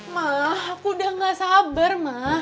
ma aku udah gak sabar ma